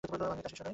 আমি তার শিষ্য নই।